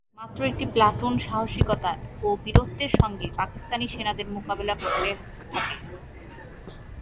মাত্র একটি প্লাটুন সাহসিকতা ও বীরত্বের সঙ্গে পাকিস্তানি সেনাদের মোকাবিলা করতে থাকে।